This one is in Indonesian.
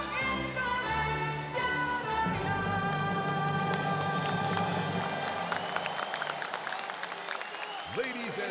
bangsa dan tanah airku